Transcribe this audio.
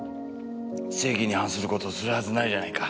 正義に反する事をするはずないじゃないか。